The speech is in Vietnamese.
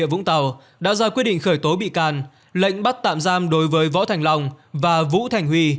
vũng tàu đã ra quyết định khởi tố bị can lệnh bắt tạm giam đối với võ thành long và vũ thành huy